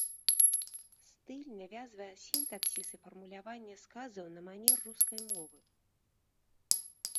Стыль навязвае сінтаксіс і фармуляванне сказаў на манер рускай мовы.